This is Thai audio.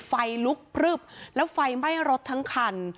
ไฟลุกพลึบแล้วไฟไหม้รถทั้งคัน